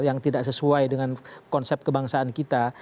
yang tidak sesuai dengan konsep kebangsaan kita